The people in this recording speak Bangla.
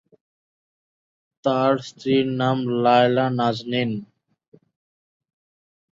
তার স্ত্রীর নাম লায়লা নাজনীন।